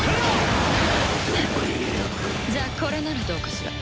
じゃあこれならどうかしら？